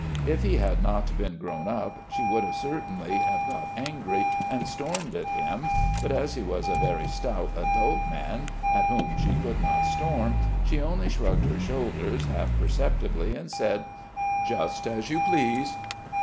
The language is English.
If he had not been grown up she would certainly have got angry and stormed at him, but as he was a very stout, adult man at whom she could not storm, she only shrugged her shoulders half perceptibly and said: "Just as you please."